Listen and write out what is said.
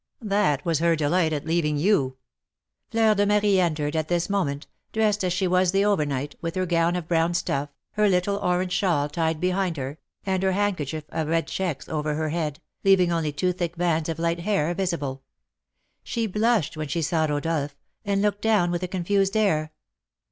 "That was her delight at leaving you." Fleur de Marie entered at this moment, dressed as she was the over night, with her gown of brown stuff, her little orange shawl tied behind her, and her handkerchief of red checks over her head, leaving only two thick bands of light hair visible. She blushed when she saw Rodolph, and looked down with a confused air.